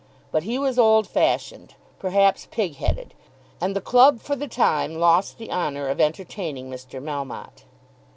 But he was old fashioned, perhaps pig headed; and the club for the time lost the honour of entertaining Mr. Melmotte.